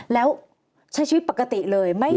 แล้วใช้ชีวิตปกติเลย